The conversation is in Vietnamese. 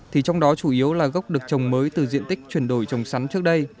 thì trong đó chủ yếu là gốc được trồng mới từ diện tích chuyển đổi trồng sắn trước đây